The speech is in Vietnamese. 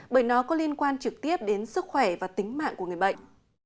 bởi nó có liên quan trực tiếp đến sức khỏe và tính mạng của người bệnh